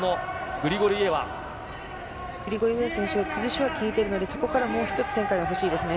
グリゴルイエワ選手、崩しは効いているので、そこからもう一つ展開が欲しいですね。